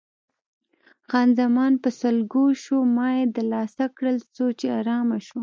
خان زمان په سلګو شوه، ما یې دلاسا کړل څو چې آرامه شوه.